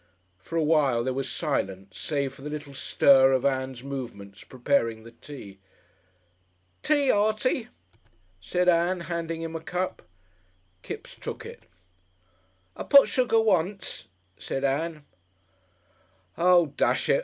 For a while there was silence, save for the little stir of Ann's movements preparing the tea. "Tea, Artie," said Ann, handing him a cup. Kipps took it. "I put sugar once," said Ann. "Oo, dash it!